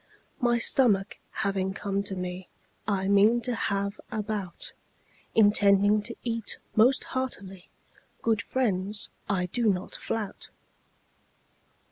My stomach having come to me, I mean to have a bout, Intending to eat most heartily; Good friends, I do not flout.